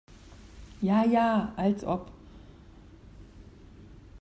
Ja ja, als ob!